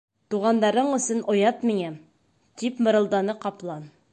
— Туғандарың өсөн оят миңә, — тип мырылданы ҡаплан.